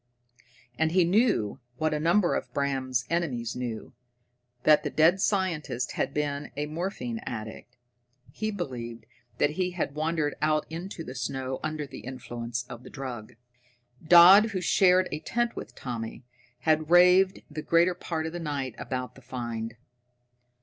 And he knew, what a number of Bram's enemies knew, that the dead scientist had been a morphine addict. He believed that he had wandered out into the snow under the influence of the drug. Dodd, who shared a tent with Tommy, had raved the greater part of the night about the find.